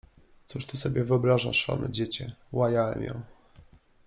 „Cóż ty sobie wyobrażasz, szalone dziecię!” — łajałem ją.